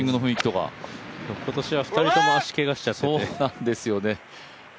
今年は２人とも足けがしちゃって。